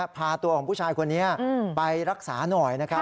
พาตัวของผู้ชายคนนี้ไปรักษาหน่อยนะครับ